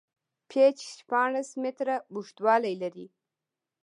پېچ شپاړس میتره اوږدوالی لري.